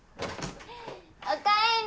おかえり！